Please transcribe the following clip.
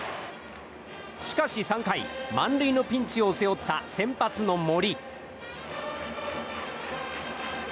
しかし３回、満塁のピンチを背負った先発の森。